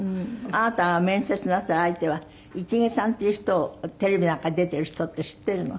あなたが面接なさる相手は市毛さんっていう人をテレビなんかに出ている人って知っているの？